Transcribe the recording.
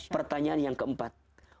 pertanyaan yang keempat